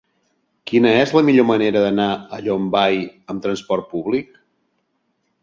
Quina és la millor manera d'anar a Llombai amb transport públic?